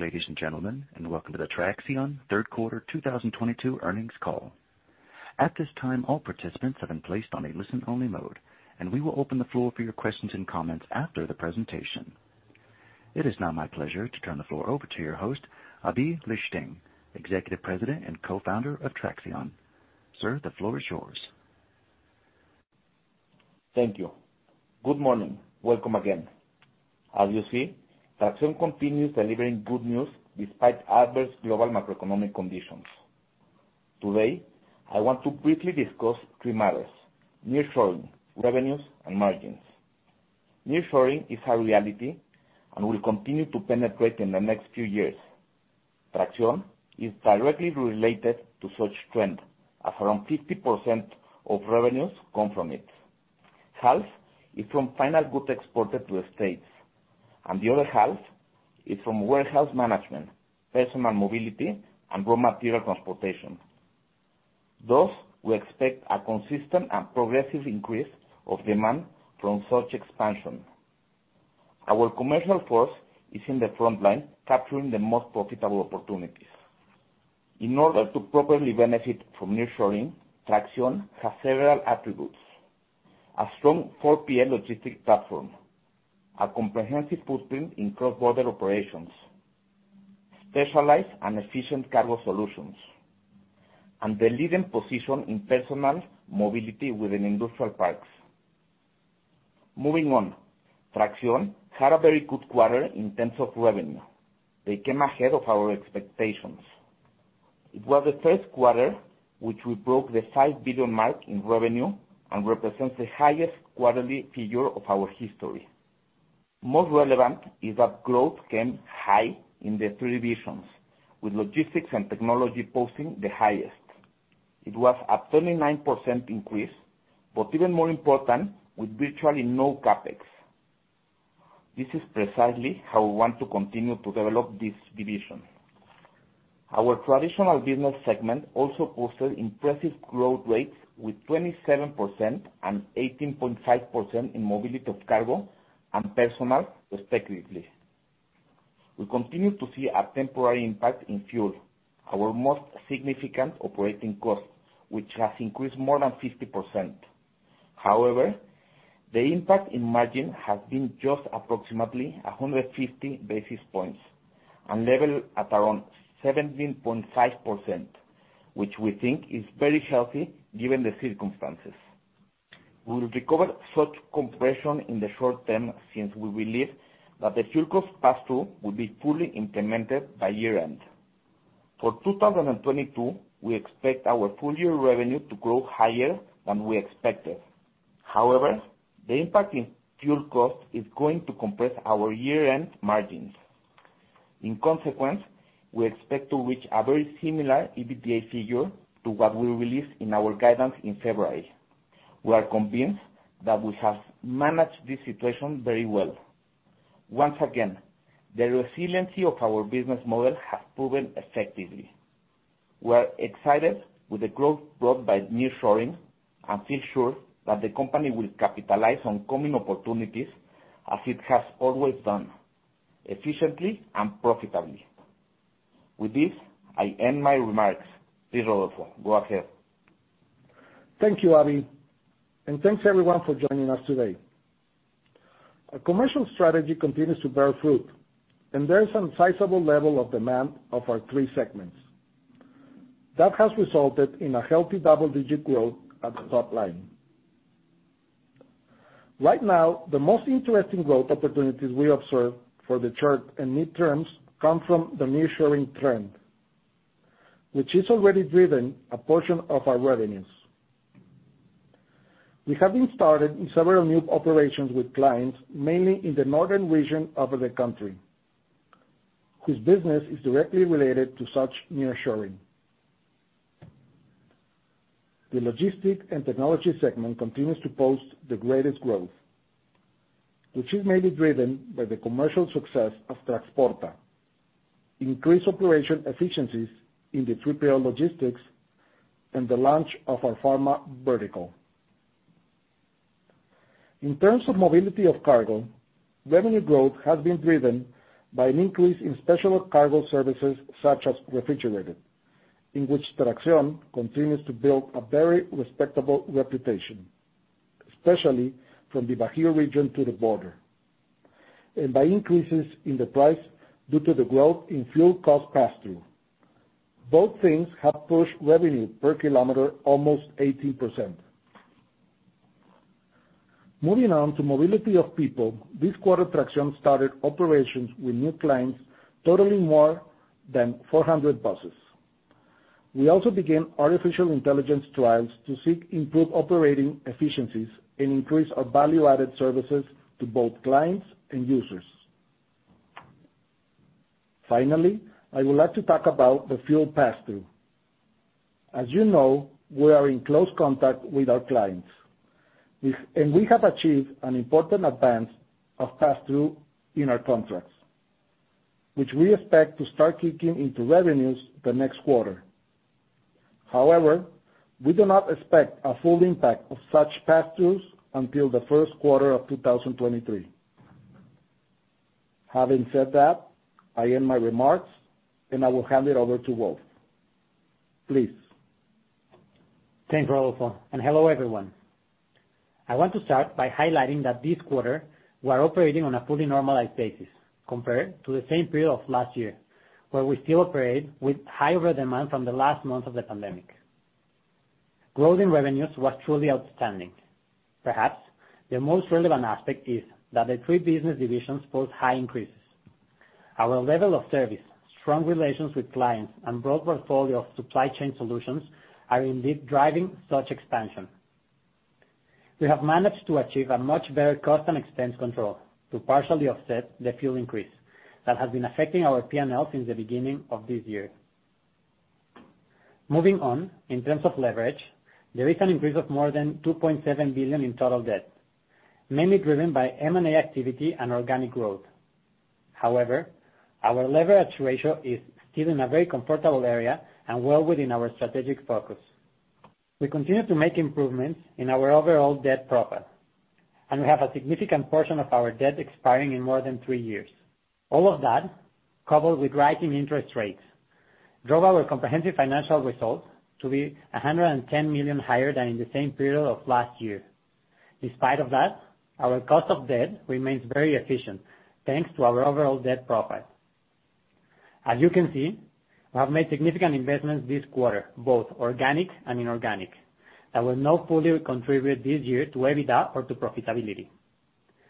Good morning, ladies and gentlemen, and welcome to the Grupo Traxión third quarter 2022 earnings call. At this time, all participants have been placed on a listen-only mode, and we will open the floor for your questions and comments after the presentation. It is now my pleasure to turn the floor over to your host, Aby Lijtszain Chernizky, Executive President and Co-founder of Grupo Traxión. Sir, the floor is yours. Thank you. Good morning. Welcome again. As you see, Traxión continues delivering good news despite adverse global macroeconomic conditions. Today, I want to briefly discuss three matters, nearshoring, revenues, and margins. Nearshoring is our reality and will continue to penetrate in the next few years. Traxión is directly related to such trend, as around 50% of revenues come from it. Half is from final good exported to the States, and the other half is from warehouse management, personal mobility, and raw material transportation. Thus, we expect a consistent and progressive increase of demand from such expansion. Our commercial force is in the front line, capturing the most profitable opportunities. In order to properly benefit from nearshoring, Traxión has several attributes, a strong 4PL logistics platform, a comprehensive footprint in cross-border operations, specialized and efficient cargo solutions, and the leading position in personal mobility within industrial parks. Moving on. Grupo Traxión had a very good quarter in terms of revenue. They came ahead of our expectations. It was the first quarter which we broke the 5 billion mark in revenue and represents the highest quarterly figure of our history. Most relevant is that growth came high in the three divisions, with Logistics and Technology posting the highest. It was a 29% increase, but even more important, with virtually no CapEx. This is precisely how we want to continue to develop this division. Our traditional business segment also posted impressive growth rates with 27% and 18.5% in mobility of cargo and personnel respectively. We continue to see a temporary impact in fuel, our most significant operating cost, which has increased more than 50%. However, the impact in margin has been just approximately 150 basis points and level at around 17.5%, which we think is very healthy given the circumstances. We will recover such compression in the short term since we believe that the fuel cost pass-through will be fully implemented by year-end. For 2022, we expect our full-year revenue to grow higher than we expected. However, the impact in fuel cost is going to compress our year-end margins. In consequence, we expect to reach a very similar EBITDA figure to what we released in our guidance in February. We are convinced that we have managed this situation very well. Once again, the resiliency of our business model has proven effectively. We are excited with the growth brought by nearshoring and feel sure that the company will capitalize on coming opportunities as it has always done, efficiently and profitably. With this, I end my remarks. Please, Rodolfo, go ahead. Thank you, Abi. Thanks everyone for joining us today. Our commercial strategy continues to bear fruit, and there is some sizable level of demand for our three segments. That has resulted in a healthy double-digit growth at the top line. Right now, the most interesting growth opportunities we observe for the short and midterms come from the nearshoring trend, which has already driven a portion of our revenues. We have started in several new operations with clients, mainly in the northern region of the country, whose business is directly related to such nearshoring. The Logistics and Technology segment continues to post the greatest growth, which is mainly driven by the commercial success of Traxporta, increased operation efficiencies in the 3PL logistics, and the launch of our pharma vertical. In terms of mobility of cargo, revenue growth has been driven by an increase in special cargo services such as refrigerated, in which Traxión continues to build a very respectable reputation, especially from the Bajío region to the border, and by increases in the price due to the growth in fuel cost pass-through. Both things have pushed revenue per kilometer almost 18%. Moving on to mobility of people, this quarter, Traxión started operations with new clients totaling more than 400 buses. We also began artificial intelligence trials to seek improved operating efficiencies and increase our value-added services to both clients and users. Finally, I would like to talk about the fuel pass-through. As you know, we are in close contact with our clients. We have achieved an important advance of pass-through in our contracts, which we expect to start kicking into revenues the next quarter. However, we do not expect a full impact of such pass-throughs until the first quarter of 2023. Having said that, I end my remarks, and I will hand it over to Wolf Silverstein. Please. Thanks, Rodolfo, and hello, everyone. I want to start by highlighting that this quarter we are operating on a fully normalized basis compared to the same period of last year, where we still operated with high overhang from the last month of the pandemic. Growth in revenues was truly outstanding. Perhaps the most relevant aspect is that the three business divisions posted high increases. Our level of service, strong relations with clients, and broad portfolio of supply chain solutions are indeed driving such expansion. We have managed to achieve a much better cost and expense control to partially offset the fuel increase that has been affecting our P&L since the beginning of this year. Moving on, in terms of leverage, there is an increase of more than 2.7 billion in total debt, mainly driven by M&A activity and organic growth. However, our leverage ratio is still in a very comfortable area and well within our strategic focus. We continue to make improvements in our overall debt profile, and we have a significant portion of our debt expiring in more than three years. All of that, coupled with rising interest rates, drove our comprehensive financial results to be 110 million higher than in the same period of last year. In spite of that, our cost of debt remains very efficient, thanks to our overall debt profile. As you can see, we have made significant investments this quarter, both organic and inorganic, that will now fully contribute this year to EBITDA or to profitability.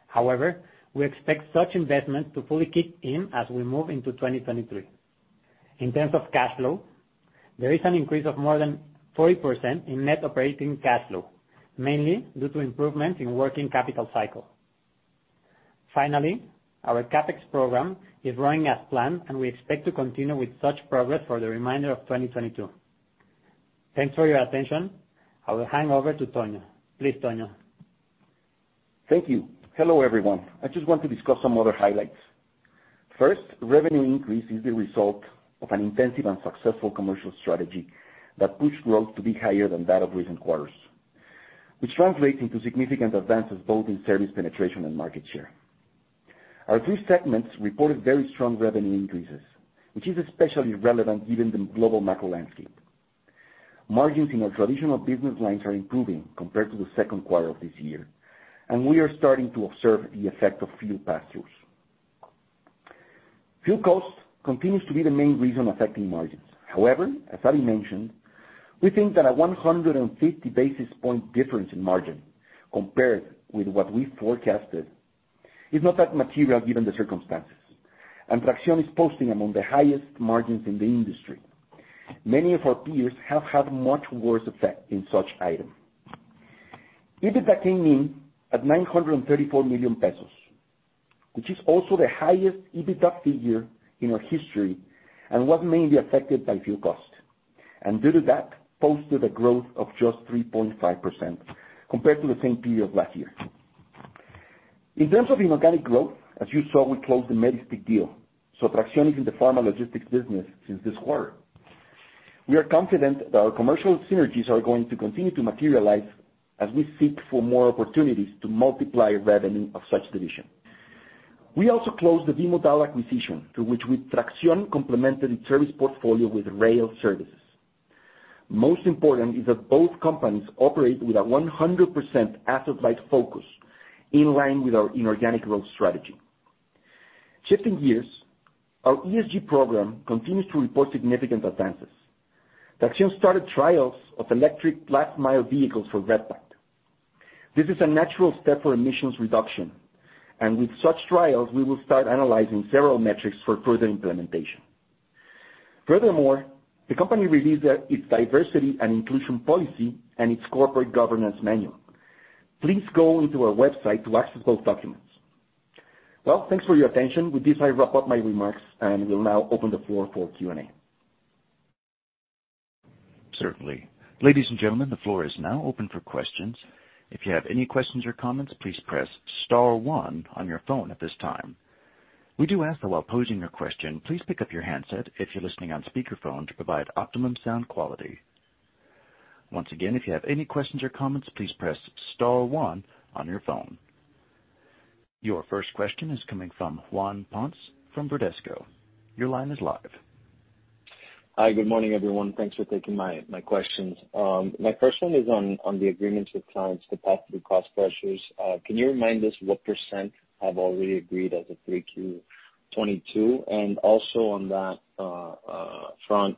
However, we expect such investments to fully kick in as we move into 2023. In terms of cash flow, there is an increase of more than 40% in net operating cash flow, mainly due to improvement in working capital cycle. Finally, our CapEx program is running as planned, and we expect to continue with such progress for the remainder of 2022. Thanks for your attention. I will hand over to Tonio. Please, Tonio. Thank you. Hello, everyone. I just want to discuss some other highlights. First, revenue increase is the result of an intensive and successful commercial strategy that pushed growth to be higher than that of recent quarters, which translates into significant advances both in service penetration and market share. Our three segments reported very strong revenue increases, which is especially relevant given the global macro landscape. Margins in our traditional business lines are improving compared to the second quarter of this year, and we are starting to observe the effect of fuel pass-throughs. Fuel costs continues to be the main reason affecting margins. However, as Aby mentioned, we think that a 150 basis points difference in margin compared with what we forecasted is not that material given the circumstances, and Traxión is posting among the highest margins in the industry. Many of our peers have had much worse effect in such item. EBITDA came in at 934 million pesos, which is also the highest EBITDA figure in our history and was mainly affected by fuel cost. Due to that, posted a growth of just 3.5% compared to the same period of last year. In terms of inorganic growth, as you saw, we closed the Medistik deal, so Traxión is in the pharma logistics business since this quarter. We are confident that our commercial synergies are going to continue to materialize as we seek for more opportunities to multiply revenue of such division. We also closed the V-MODAL acquisition, through which with Traxión complemented its service portfolio with rail services. Most important is that both companies operate with a 100% asset-light focus, in line with our inorganic growth strategy. Shifting gears, our ESG program continues to report significant advances. Traxión started trials of electric last mile vehicles for Redpack. This is a natural step for emissions reduction, and with such trials, we will start analyzing several metrics for further implementation. Furthermore, the company released its diversity and inclusion policy and its corporate governance manual. Please go into our website to access those documents. Well, thanks for your attention. With this, I wrap up my remarks, and will now open the floor for Q&A. Certainly. Ladies and gentlemen, the floor is now open for questions. If you have any questions or comments, please press star one on your phone at this time. We do ask that while posing your question, please pick up your handset if you're listening on speakerphone to provide optimum sound quality. Once again, if you have any questions or comments, please press star one on your phone. Your first question is coming from Juan Ponce from Bradesco. Your line is live. Hi. Good morning, everyone. Thanks for taking my questions. My first one is on the agreements with clients to pass through cost pressures. Can you remind us what percent have already agreed as of 3Q 2022? Also on that front,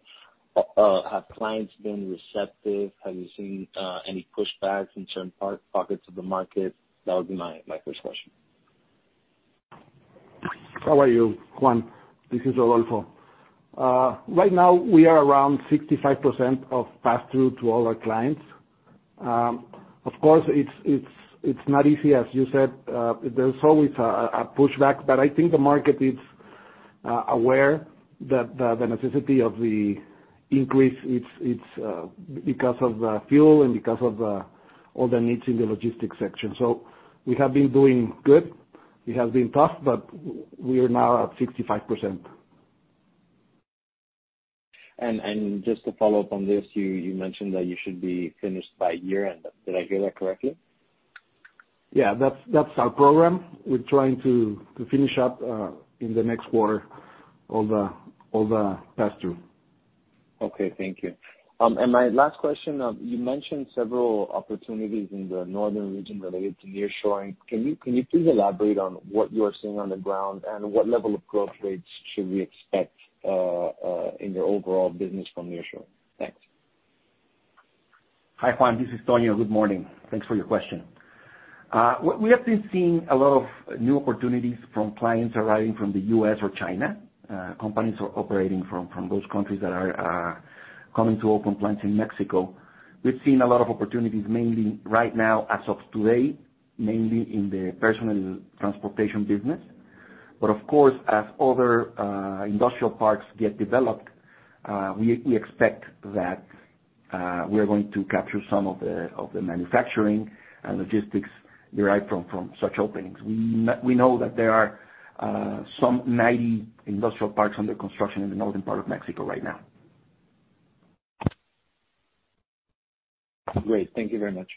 have clients been receptive? Have you seen any pushbacks in certain pockets of the market? That would be my first question. How are you, Juan? This is Rodolfo. Right now we are around 65% pass-through to all our clients. Of course, it's not easy, as you said. There's always a pushback, but I think the market is aware that the necessity of the increase is because of fuel and because of all the needs in the logistics sector. We have been doing good. It has been tough, but we are now at 65%. Just to follow up on this, you mentioned that you should be finished by year-end. Did I hear that correctly? Yeah, that's our program. We're trying to finish up in the next quarter all the pass-through. Okay, thank you. My last question. You mentioned several opportunities in the northern region related to nearshoring. Can you please elaborate on what you are seeing on the ground and what level of growth rates should we expect in your overall business from nearshoring? Thanks. Hi, Juan, this is Tonio. Good morning. Thanks for your question. We have been seeing a lot of new opportunities from clients arriving from the U.S. Or China. Companies are operating from those countries that are coming to open plants in Mexico. We've seen a lot of opportunities, mainly right now as of today, mainly in the personal transportation business. Of course, as other industrial parks get developed, we expect that we are going to capture some of the manufacturing and logistics derived from such openings. We know that there are some 90 industrial parks under construction in the northern part of Mexico right now. Great. Thank you very much.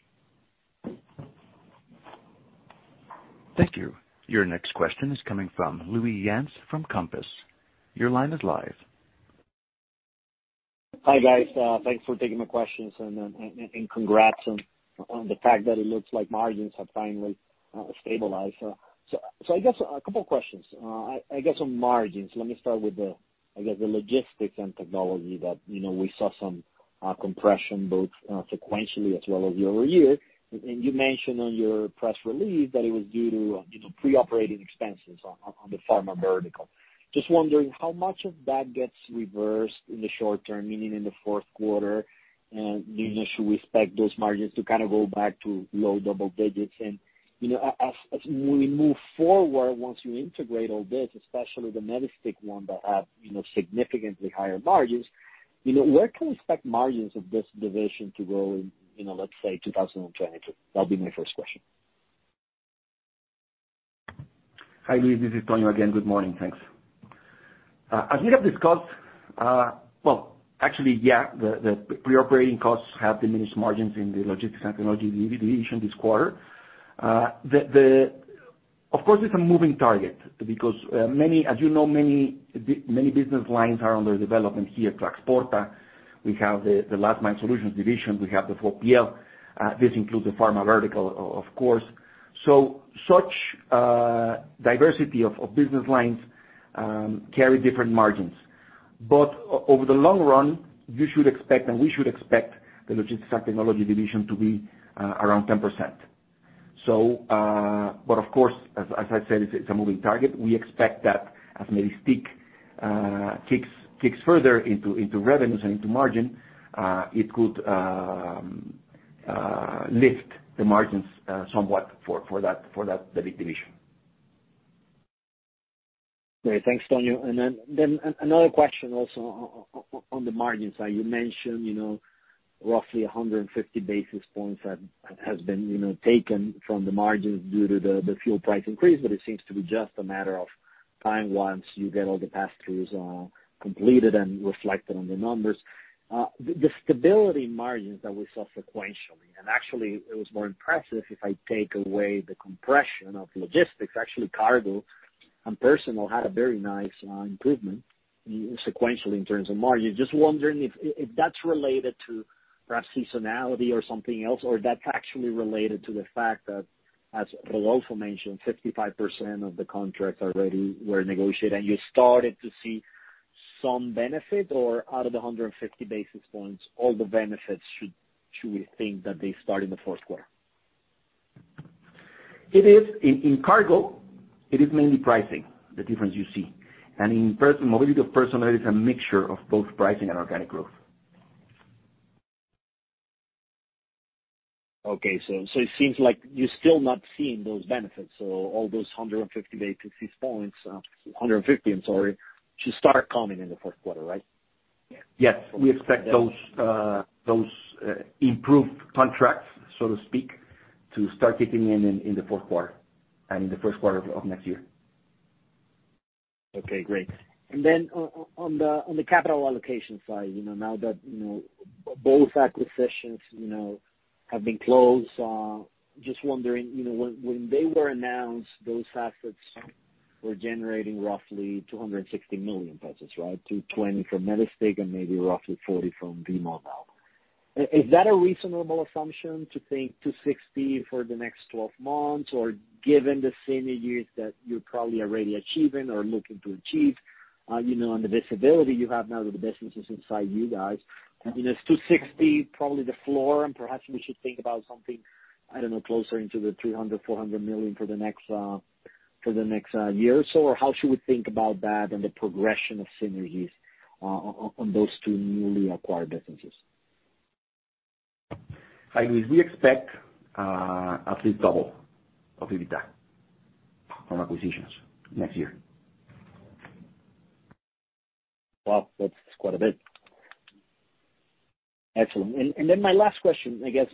Thank you. Your next question is coming from Luis Yance from Compass. Your line is live. Hi, guys. Thanks for taking my questions and congrats on the fact that it looks like margins have finally stabilized. I guess a couple of questions. I guess on margins, let me start with the Logistics and Technology that, you know, we saw some compression both sequentially as well as year-over-year. You mentioned on your press release that it was due to, you know, pre-operating expenses on the pharma vertical. Just wondering how much of that gets reversed in the short term, meaning in the fourth quarter? You know, should we expect those margins to kind of go back to low double digits? you know, as we move forward, once you integrate all this, especially the Medistik one that have, you know, significantly higher margins, you know, where can we expect margins of this division to grow in, you know, let's say 2022? That'll be my first question. Hi, Luis, this is Antonio again. Good morning. Thanks. As we have discussed, well, actually, yeah, the pre-operating costs have diminished margins in the Logistics and Technology division this quarter. Of course, it's a moving target because many, as you know, business lines are under development here at Traxporta. We have the Last-mile solutions division, we have the 4PL, this includes the pharma vertical, of course. Such diversity of business lines carry different margins. Over the long run, you should expect and we should expect the Logistics and Technology division to be around 10%. Of course, as I said, it's a moving target. We expect that as Medistik kicks further into revenues and into margin, it could lift the margins somewhat for that the division. Great. Thanks, Tonio. Another question also on the margin side. You mentioned, you know, roughly 150 basis points has been, you know, taken from the margins due to the fuel price increase, but it seems to be just a matter of time once you get all the pass-throughs completed and reflected on the numbers. The stability in margins that we saw sequentially, and actually it was more impressive if I take away the compression of logistics, actually cargo and parcel had a very nice improvement sequentially in terms of margin. Just wondering if that's related to perhaps seasonality or something else, or that's actually related to the fact that, as Rodolfo mentioned, 55% of the contracts already were negotiated, and you started to see some benefit? Out of the 150 basis points, all the benefits should we think that they start in the fourth quarter? It is in cargo, it is mainly pricing, the difference you see. In person, mobility of personnel, it is a mixture of both pricing and organic growth. Okay. It seems like you're still not seeing those benefits. All those 150 basis points, I'm sorry, should start coming in the fourth quarter, right? Yes. We expect those improved contracts, so to speak, to start kicking in the fourth quarter and in the first quarter of next year. Okay, great. Then on the capital allocation side, you know, now that both acquisitions have been closed, just wondering, you know, when they were announced, those assets were generating roughly 260 million pesos, right? 220 million from Medistik and maybe roughly 40 million from V-MODAL now. Is that a reasonable assumption to think 260 million for the next twelve months? Or given the synergies that you're probably already achieving or looking to achieve, you know, on the visibility you have now that the business is inside you guys, I mean, is 260 million probably the floor? And perhaps we should think about something, I don't know, closer into the 300 million, 400 million for the next year or so? How should we think about that and the progression of synergies on those two newly acquired businesses? Hi, Luis. We expect at least double of EBITDA from acquisitions next year. Wow, that's quite a bit. Excellent. My last question, I guess,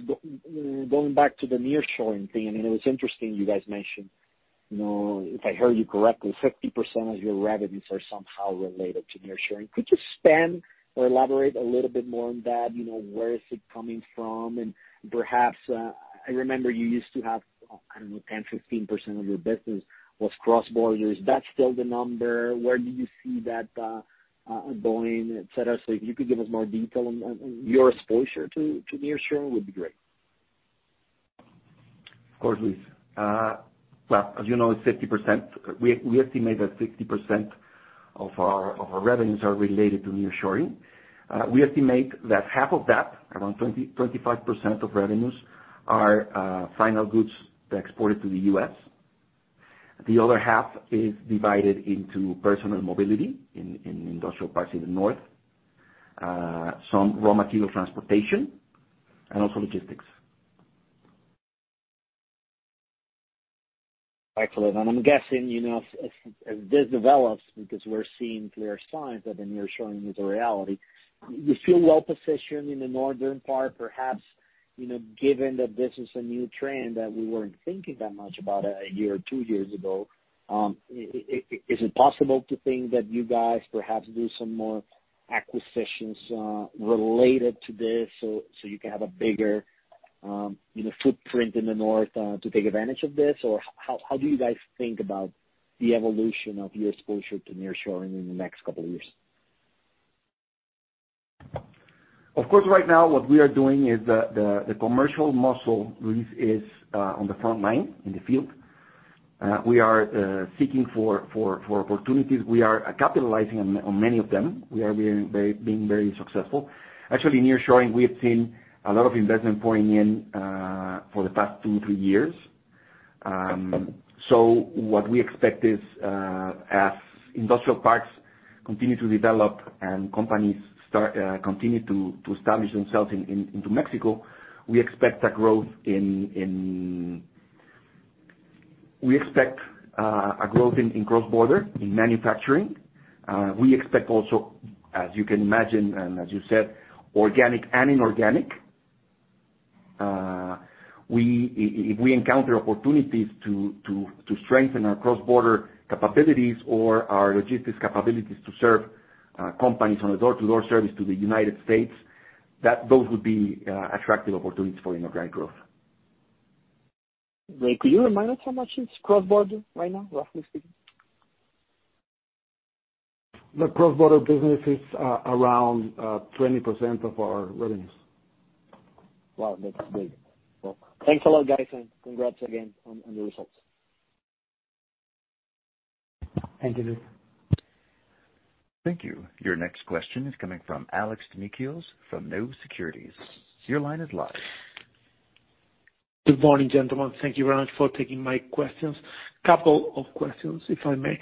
going back to the nearshoring thing, it was interesting you guys mentioned, you know, if I heard you correctly, 50% of your revenues are somehow related to nearshoring. Could you expand or elaborate a little bit more on that? You know, where is it coming from? Perhaps, I remember you used to have, I don't know, 10%, 15% of your business was cross-border. Is that still the number? Where do you see that going, et cetera? If you could give us more detail on your exposure to nearshoring would be great. Of course, Luis. Well, as you know, it's 50%. We estimate that 60% of our revenues are related to nearshoring. We estimate that half of that, around 20%, 25% of revenues are final goods exported to the U.S. The other half is divided into personal mobility in industrial parts in the North, some raw material transportation, and also logistics. Excellent. I'm guessing, you know, as this develops, because we're seeing clear signs that the nearshoring is a reality, you feel well-positioned in the northern part, perhaps, you know, given that this is a new trend that we weren't thinking that much about a year or two years ago. Is it possible to think that you guys perhaps do some more acquisitions, related to this so you can have a bigger, you know, footprint in the North, to take advantage of this? How do you guys think about the evolution of your exposure to nearshoring in the next couple of years? Of course, right now what we are doing is the commercial muscle, Luis, is on the front line in the field. We are seeking for opportunities. We are capitalizing on many of them. We are being very successful. Actually, nearshoring, we have seen a lot of investment pouring in for the past two, three years. What we expect is as industrial parks continue to develop and companies continue to establish themselves into Mexico, we expect a growth in cross-border manufacturing. We expect also, as you can imagine, and as you said, organic and inorganic. If we encounter opportunities to strengthen our cross-border capabilities or our logistics capabilities to serve companies on a door-to-door service to the United States, those would be attractive opportunities for inorganic growth. Great. Could you remind us how much it's cross-border right now, roughly speaking? The cross-border business is around 20% of our revenues. Wow, that's big. Well, thanks a lot, guys, and congrats again on the results. Thank you, Luis. Thank you. Your next question is coming from Alexei Gogolev from Novo Securities. Your line is live. Good morning, gentlemen. Thank you very much for taking my questions. Couple of questions, if I may.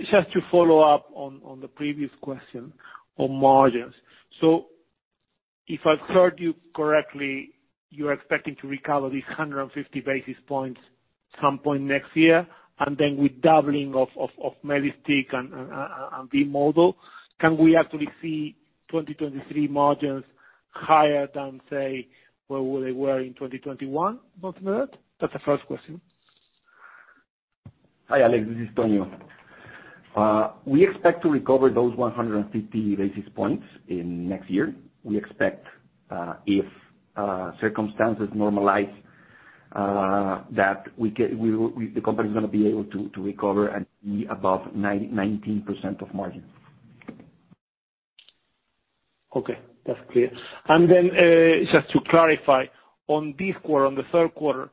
Just to follow up on the previous question on margins. If I heard you correctly, you're expecting to recover these 150 basis points some point next year, and then with doubling of Medistik and V-MODAL, can we actually see 2023 margins higher than, say, where they were in 2021, approximately? That's the first question. Hi, Alex. This is Tonio. We expect to recover those 150 basis points in next year. We expect if circumstances normalize that we the company is gonna be able to recover and be above 9%-19% of margin. Okay, that's clear. Just to clarify, on this quarter, on the third quarter,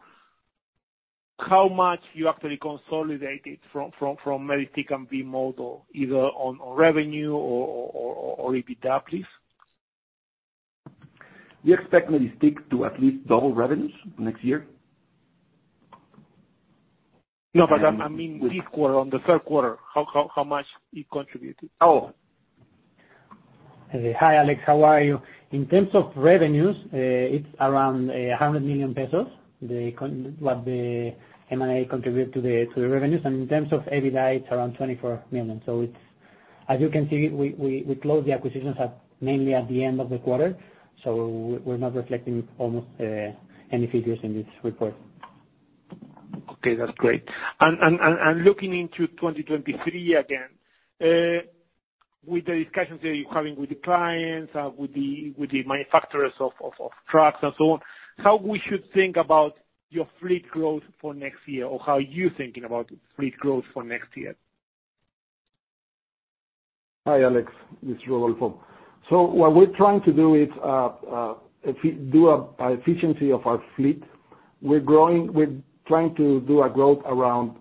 how much you actually consolidated from Medistik and V-MODAL, either on revenue or EBITDA, please? We expect Medistik to at least double revenues next year. No, I mean this quarter, on the third quarter, how much it contributed? Oh. Hi, Alex. How are you? In terms of revenues, it's around 100 million pesos, what the M&A contributed to the revenues. In terms of EBITDA, it's around 24 million. It's, as you can see, we closed the acquisitions mainly at the end of the quarter, so we're not reflecting almost any figures in this report. Okay, that's great. Looking into 2023 again, with the discussions that you're having with the clients, with the manufacturers of trucks and so on, how should we think about your fleet growth for next year, or how are you thinking about fleet growth for next year? Hi, Alex. This is Rodolfo. What we're trying to do is, if we do an efficiency of our fleet, we're trying to do a growth around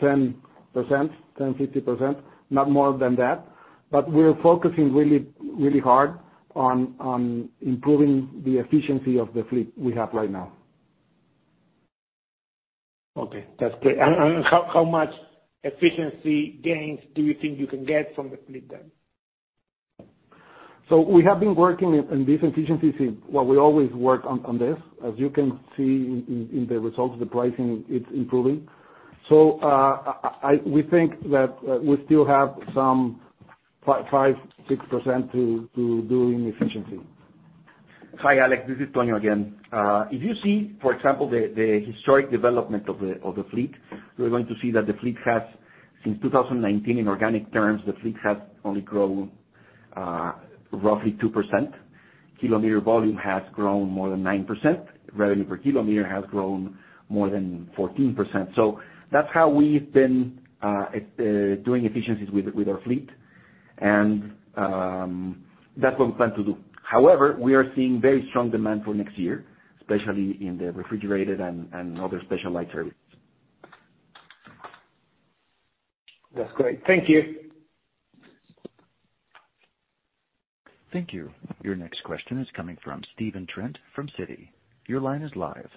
10%-50%, not more than that. But we're focusing really hard on improving the efficiency of the fleet we have right now. Okay, that's clear. How much efficiency gains do you think you can get from the fleet then? We have been working on these efficiencies. Well, we always work on this. As you can see in the results, the pricing, it's improving. We think that we still have some 5%-6% to do in efficiency. Hi, Alex, this is Tony again. If you see, for example, the historical development of the fleet, we're going to see that the fleet has since 2019, in organic terms, the fleet has only grown roughly 2%. Kilometer volume has grown more than 9%. Revenue per kilometer has grown more than 14%. That's how we've been doing efficiencies with our fleet. That's what we plan to do. However, we are seeing very strong demand for next year, especially in the refrigerated and other specialized services. That's great. Thank you. Thank you. Your next question is coming from Stephen Trent from Citi. Your line is live.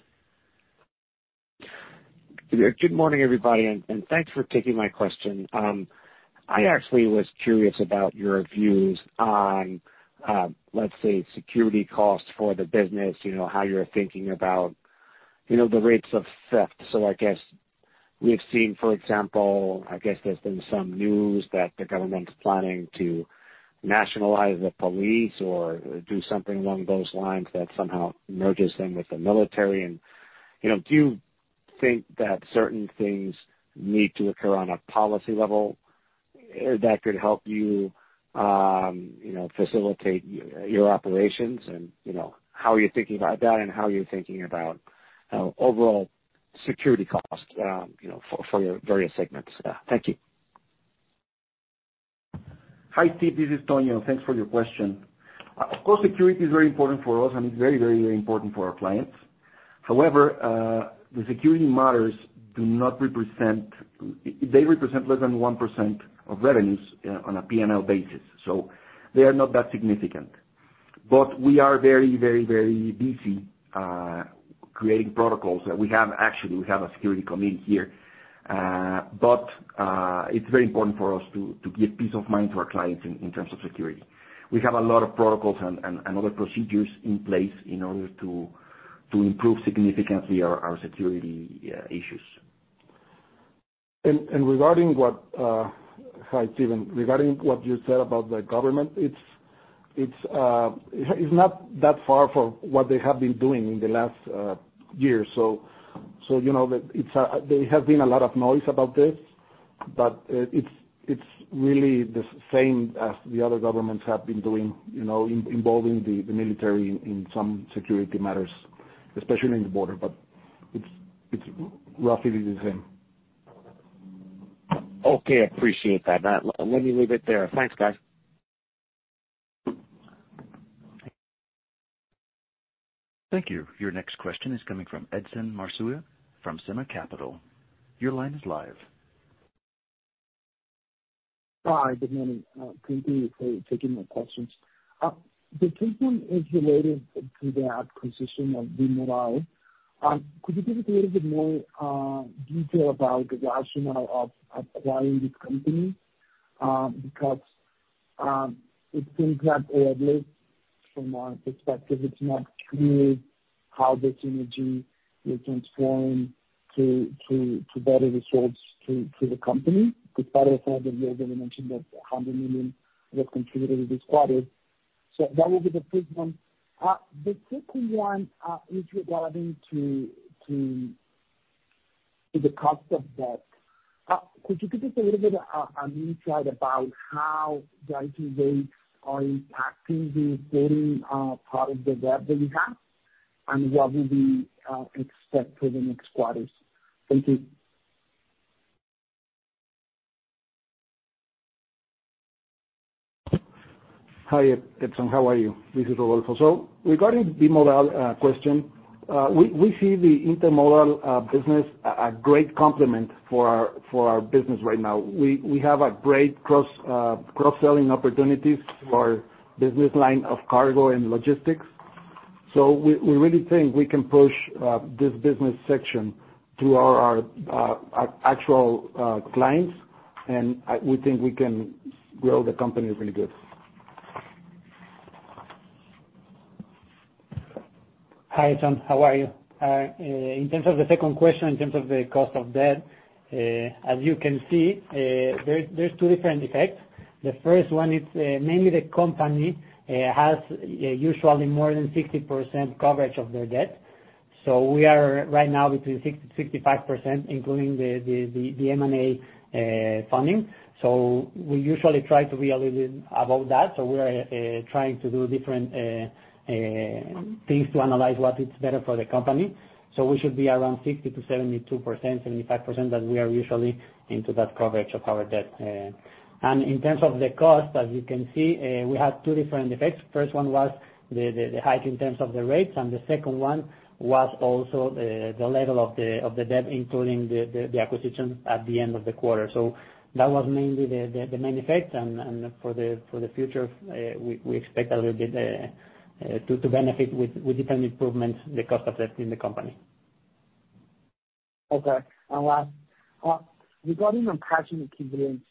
Good morning, everybody, and thanks for taking my question. I actually was curious about your views on, let's say, security costs for the business, you know, how you're thinking about, you know, the rates of theft. I guess we've seen, for example, I guess there's been some news that the government's planning to nationalize the police or do something along those lines that somehow merges them with the military. Do you think that certain things need to occur on a policy level that could help you know, facilitate your operations? How are you thinking about that, and how are you thinking about overall security costs, you know, for your various segments? Thank you. Hi, Steve. This is Tony. Thanks for your question. Of course, security is very important for us, and it's very important for our clients. However, the security matters do not represent. They represent less than 1% of revenues on a P&L basis. They are not that significant. We are very busy creating protocols. Actually, we have a security committee here. It's very important for us to give peace of mind to our clients in terms of security. We have a lot of protocols and other procedures in place in order to improve significantly our security issues. Regarding what... Hi, Stephen. Regarding what you said about the government, it's not that far from what they have been doing in the last year or so. You know, there has been a lot of noise about this, but it's really the same as the other governments have been doing, you know, involving the military in some security matters, especially in the border. It's roughly the same. Okay. I appreciate that. Let me leave it there. Thanks, guys. Thank you. Your next question is coming from Edson Marsua from SIMMA Capital. Your line is live. Hi. Good morning. Thank you for taking my questions. The first one is related to the acquisition of V-MODAL. Could you give us a little bit more detail about the rationale of acquiring this company? Because it seems that at least from our perspective, it's not clear how this synergy will transform to better results to the company. Because part of that you already mentioned that 100 million was contributed this quarter. That would be the first one. The second one is regarding to the cost of debt. Could you give us a little bit of insight about how the interest rates are impacting the existing part of the debt that you have and what will be expected for the next quarters? Thank you. Hi, Edson. How are you? This is Rodolfo. Regarding V-MODAL question, we see the intermodal business a great complement for our business right now. We have a great cross-selling opportunities for business line of cargo and logistics. We really think we can push this business section to our actual clients, and we think we can grow the company really good. Hi, Edson. How are you? In terms of the second question, in terms of the cost of debt, as you can see, there's two different effects. The first one is, mainly the company has usually more than 60% coverage of their debt. We are right now between 60%-65%, including the M&A funding. We usually try to be a little bit above that. We are trying to do different things to analyze what is better for the company. We should be around 60%-72%, 75% that we are usually into that coverage of our debt. In terms of the cost, as you can see, we have two different effects. First one was the hike in terms of the rates, and the second one was also the level of the debt, including the acquisition at the end of the quarter. That was mainly the main effect. For the future, we expect a little bit to benefit with different improvements the cost effect in the company. Okay. Last, regarding on cash equivalents,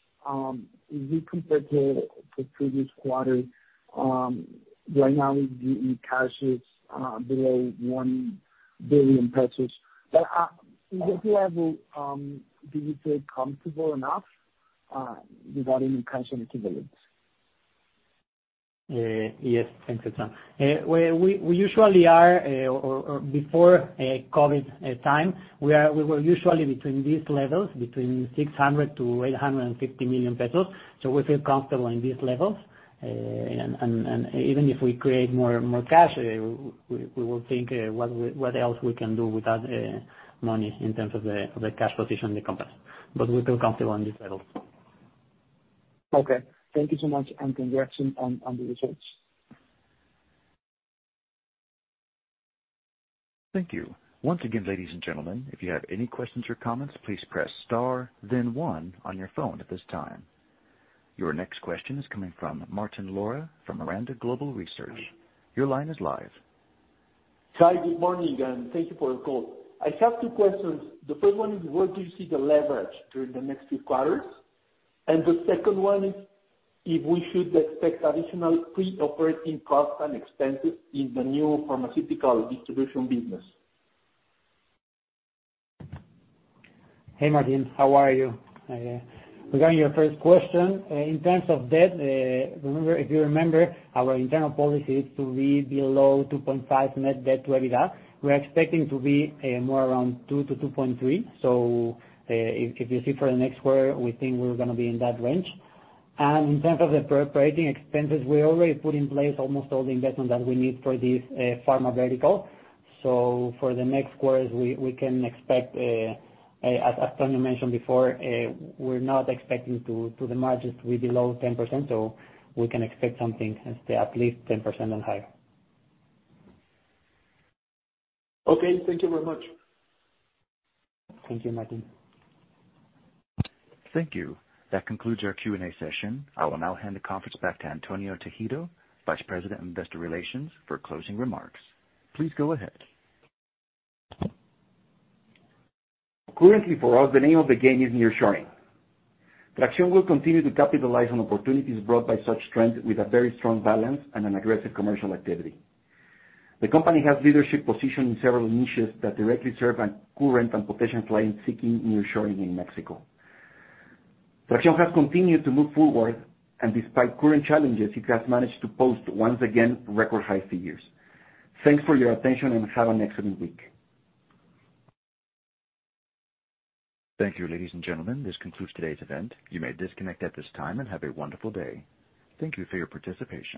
if you compare to the previous quarter, right now the cash is below 1 billion pesos. In this level, do you feel comfortable enough regarding the cash equivalents? Yes. Thanks, Edson. We usually are or before COVID time, we were usually between these levels, between 600 million-850 million pesos. We feel comfortable in these levels. Even if we create more cash, we will think what else we can do with that money in terms of the cash position of the company. We feel comfortable on this level. Okay. Thank you so much, and congrats on the results. Thank you. Once again, ladies and gentlemen, if you have any questions or comments, please press star then one on your phone at this time. Your next question is coming from Martín Lara from Miranda Global Research. Your line is live. Hi. Good morning, and thank you for the call. I have two questions. The first one is, where do you see the leverage during the next few quarters? The second one is if we should expect additional pre-operating costs and expenses in the new pharmaceutical distribution business? Hey, Martín. How are you? Regarding your first question, in terms of debt, remember—if you remember, our internal policy is to be below 2.5 net debt to EBITDA. We're expecting to be more around 2-2.3. If you see for the next quarter, we think we're gonna be in that range. In terms of the pre-operating expenses, we already put in place almost all the investment that we need for this pharma vertical. For the next quarters, we can expect, as Tony mentioned before, we're not expecting the margins to be below 10%, so we can expect something at least 10% and higher. Okay. Thank you very much. Thank you, Martín. Thank you. That concludes our Q&A session. I will now hand the conference back to Antonio Tejedo, Vice President of Investor Relations, for closing remarks. Please go ahead. Currently for us, the name of the game is nearshoring. Traxión will continue to capitalize on opportunities brought by such trends with a very strong balance and an aggressive commercial activity. The company has leadership position in several niches that directly serve our current and potential clients seeking nearshoring in Mexico. Traxión has continued to move forward, and despite current challenges, it has managed to post, once again, record high figures. Thanks for your attention and have an excellent week. Thank you, ladies and gentlemen. This concludes today's event. You may disconnect at this time, and have a wonderful day. Thank you for your participation.